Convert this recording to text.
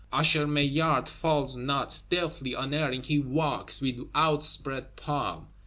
Usher Maillard falls not; deftly, unerring, he walks, with out spread palm.